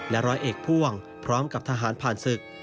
ร้อยเอกพ่วงพร้อมกับทหารผ่านศึก